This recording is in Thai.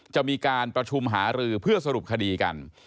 จะมีการประชุมหารือเพื่อสรุปคดีกัน